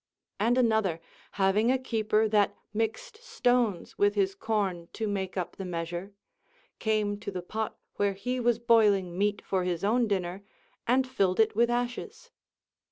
And another, having a keeper that mixed stones with his corn to make up the measure, came to the pot where he was boiling meat for his own dinner, and filled it with ashes.